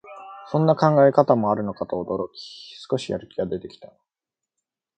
そんな考え方もあるのかと驚き、少しやる気出てきた